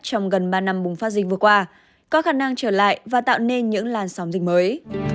trong gần ba năm bùng phát dịch vừa qua có khả năng trở lại và tạo nên những làn sóng dịch mới